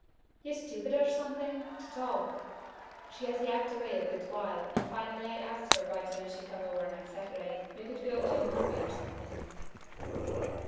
"You stupid or something? To talk. So she yacked away a good while, and finally I asked her why didn't she come over next Saturday, we could go to a movie or something."